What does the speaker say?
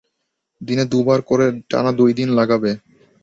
দিনে দুবার করে টানা দুই দিন লাগাবে।